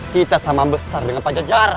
kita sama besar dengan pajajaran